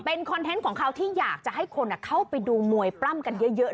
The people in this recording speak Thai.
คอนเทนต์ของเขาที่อยากจะให้คนเข้าไปดูมวยปล้ำกันเยอะ